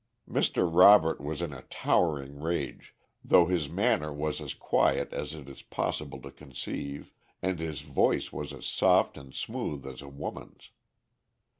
Mr. Robert was in a towering rage, though his manner was as quiet as it is possible to conceive, and his voice was as soft and smooth as a woman's.